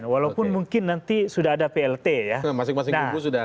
walaupun mungkin nanti sudah ada plt ya